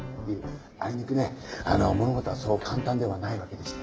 あいにくね物事はそう簡単ではないわけでして。